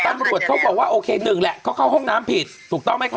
ตำรวจเขาบอกว่าโอเคหนึ่งแหละเขาเข้าห้องน้ำผิดถูกต้องไหมคะ